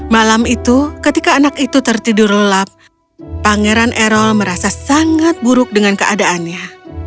malam itu ketika anak itu tertidur lelap pangeran erol merasa sangat buruk dengan keadaannya